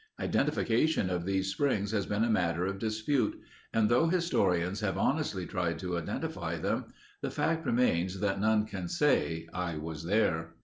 Identification of these springs has been a matter of dispute and though historians have honestly tried to identify them, the fact remains that none can say "I was there."